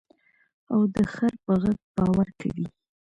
او د خر په غږ باور کوې.